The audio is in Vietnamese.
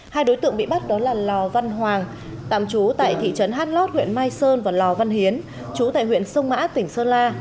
hai đối tượng bị bắt đó là lò văn hoàng tạm trú tại thị trấn hát lót huyện mai sơn và lò văn hiến chú tại huyện sông mã tỉnh sơn la